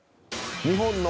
「日本の」